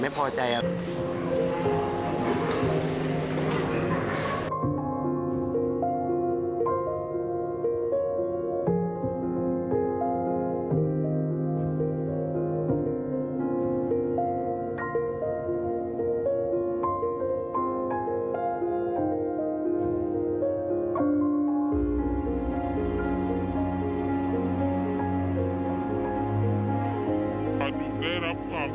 ขณะที่เช้าบ้านหมู่เจ็ดในตำบลนาโภ